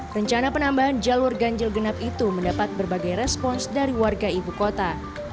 rencana penambahan jalur ganjil genap itu mendapat berbagai respons dari warga ibu kota